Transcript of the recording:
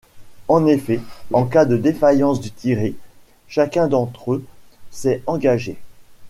En effet, en cas de défaillance du tiré, chacun d'entre eux s'est engagé.